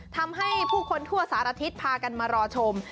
ทำให้ผู้คนทั่วสารทิศพากันมารอชม